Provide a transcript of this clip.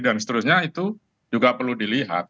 dan seterusnya itu juga perlu dilihat